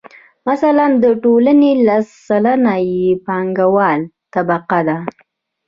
مثلاً د ټولنې لس سلنه یې پانګواله طبقه ده